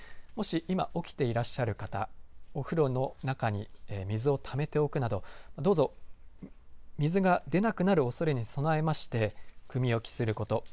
もし今、起きていらっしゃる方お風呂の中に水をためておくなどどうぞ水が出なくなるおそれに備えましてくみ置きすること。